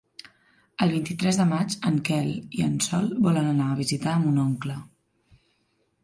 El vint-i-tres de maig en Quel i en Sol volen anar a visitar mon oncle.